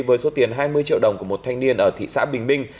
với số tiền hai mươi triệu đồng của một thanh niên ở thị xã bình minh